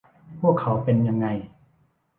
พวกเขาเป็นยังไง